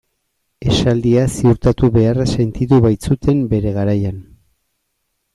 Esaldia ziurtatu beharra sentitu baitzuten bere garaian.